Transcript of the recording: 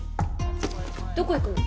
どこ行くの？